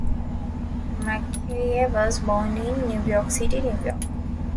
MacKaye was born in New York City, New York.